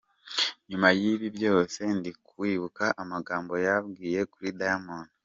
Nyuma y’ibi byose ndi kwibuka amagambo yambwiye kuri Diamond.